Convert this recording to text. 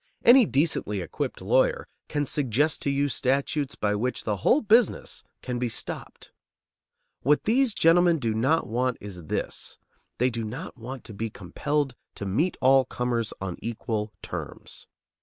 Any decently equipped lawyer can suggest to you statutes by which the whole business can be stopped. What these gentlemen do not want is this: they do not want to be compelled to meet all comers on equal terms.